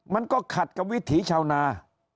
มันก็ขัดกับวิถีชาวนา